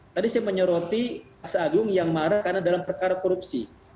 tadi saya menyeroti pak saagung yang marah karena dalam perkara korupsi